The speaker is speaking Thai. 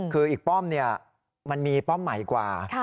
คืออีกป้อมมันมีป้อมใหม่กว่า